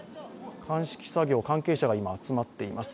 鑑識作業、関係者が今集まっています。